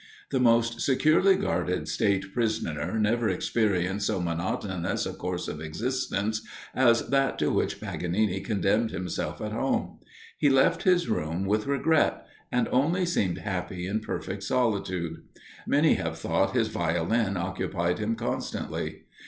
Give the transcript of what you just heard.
The most securely guarded state prisoner never experienced so monotonous a course of existence as that to which Paganini condemned himself at home; he left his room with regret, and only seemed happy in perfect solitude. Many have thought his Violin occupied him constantly.